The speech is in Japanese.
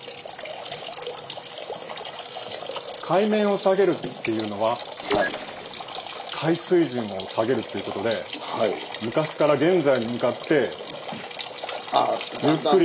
海面を下げるっていうのは海水準を下げるっていうことで昔から現在に向かってゆっくり。